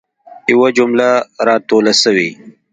یوه جمله را توله سوي.